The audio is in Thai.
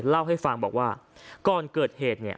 เล่าให้ฟังบอกว่าก่อนเกิดเหตุเนี่ย